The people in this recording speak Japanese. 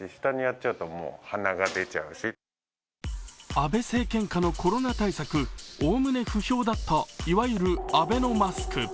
安倍政権下のコロナ対策、おおむね不評だったいわゆるアベノマスク。